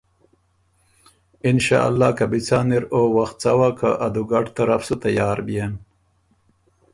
اِنشأاللّٰه که بی څان اِر او وخت څوا که ا دُوګډ طرف سُو تیار بيېن“